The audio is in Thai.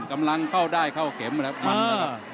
กำลังเข้าได้เข้าเข็มแล้วมันนะครับ